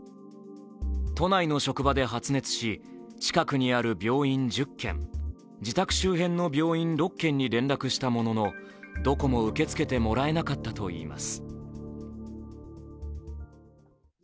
都内の職場で発熱し、近くにある病院１０軒、自宅周辺の病院６軒に連絡したもののどこも受け付けてもらえなかったと言います。